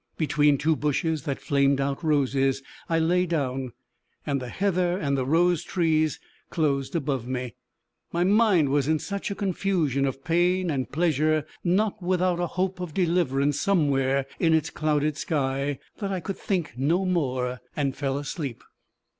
Between two bushes that flamed out roses, I lay down, and the heather and the rose trees closed above me. My mind was in such a confusion of pain and pleasure not without a hope of deliverance somewhere in its clouded sky that I could think no more, and fell asleep.